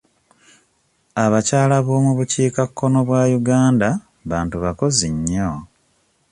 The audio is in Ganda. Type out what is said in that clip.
Abakyala b'omu bukiika kkono bwa Uganda bantu bakozi nnyo.